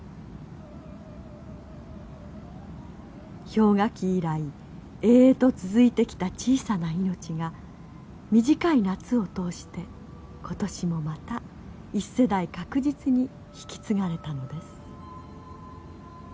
氷河期以来営々と続いてきた小さな命が短い夏を通して今年もまた一世代確実に引き継がれたのです。